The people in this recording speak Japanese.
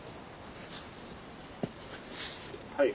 はい。